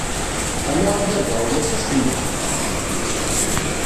Ala a baba ulac acemma!